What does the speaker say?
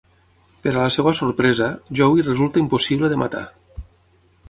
Per a la seva sorpresa, Joey resulta impossible de matar.